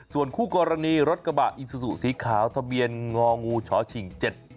ส่วนคู่กรณีรถกระบะอิซูซูสีขาวทะเบียนงองูชฉิง๗๗